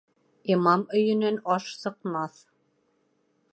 Имам өйөнән аш сыҡмаҫ.